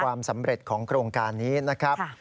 ความสำเร็จของโครงการนี้นะครับ